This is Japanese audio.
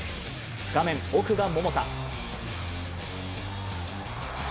画面奥が桃田。